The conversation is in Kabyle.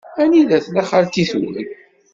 Anida tella xalti-twen?